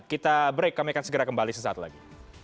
kita break kami akan segera kembali sesaat lagi